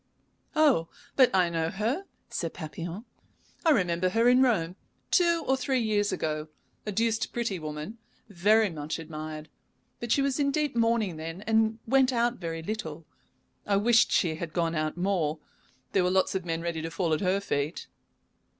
"Oh, but I know her!" said Papillon. "I remember her in Rome two or three years ago. A deuced pretty woman, very much admired, but she was in deep mourning then, and went out very little. I wished she had gone out more. There were lots of men ready to fall at her feet."